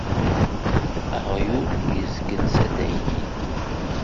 Aɣyul izgel s addaynin.